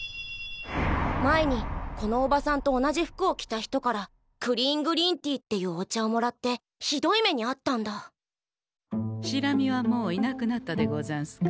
前にこのおばさんと同じ服を着た人からクリーングリーンティっていうお茶をもらってひどい目にあったんだシラミはもういなくなったでござんすか？